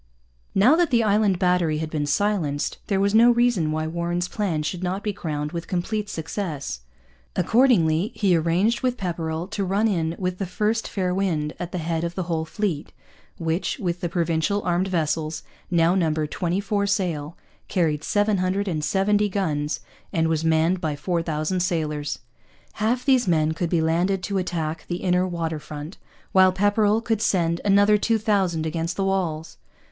Now that the Island Battery had been silenced there was no reason why Warren's plan should not be crowned with complete success. Accordingly he arranged with Pepperrell to run in with the first fair wind, at the head of the whole fleet, which, with the Provincial armed vessels, now numbered twenty four sail, carried 770 guns, and was manned by 4,000 sailors. Half these men could be landed to attack the inner water front, while Pepperrell could send another 2,000 against the walls.